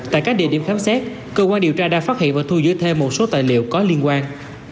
tại các địa điểm khám xét cơ quan điều tra đã phát hiện và thu giữ thêm một số tài liệu có liên quan